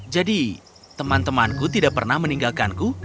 jadi teman temanku tidak pernah meninggalkanku